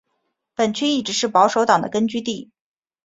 本区一直是保守党的根据地。